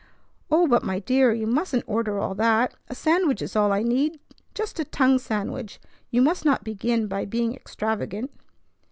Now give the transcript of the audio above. "Oh, but my dear! You mustn't order all that. A sandwich is all I need. Just a tongue sandwich. You must not begin by being extravagant."